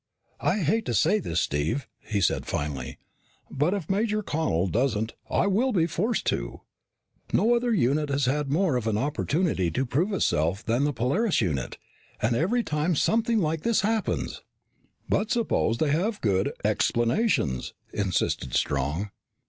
"I hate to say this, Steve," he said finally, "but if Major Connel doesn't, I will be forced to. No other unit has had more of an opportunity to prove itself than the Polaris unit. And every time, something like this happens." "But suppose they have good explanations," insisted Strong.